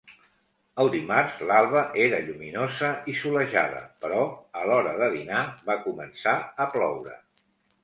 El dimarts l'alba era lluminosa i solejada, però a l'hora de dinar va començar a ploure